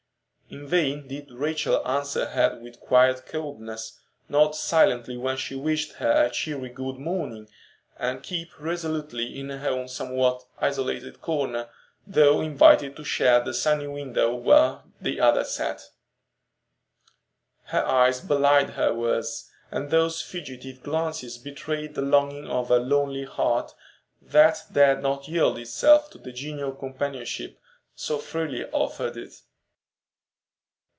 In vain did Rachel answer her with quiet coldness, nod silently when she wished her a cheery "good morning," and keep resolutely in her own somewhat isolated corner, though invited to share the sunny window where the other sat. Her eyes belied her words, and those fugitive glances betrayed the longing of a lonely heart that dared not yield itself to the genial companionship so freely offered it.